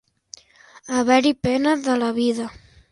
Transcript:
Haver-hi pena de la vida.